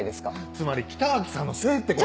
つまり北脇さんのせいってこと？